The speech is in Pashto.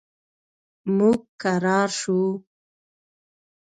موږ کرار شو.